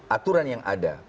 aturan yang ada